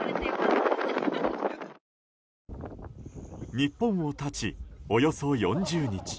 日本を発ち、およそ４０日。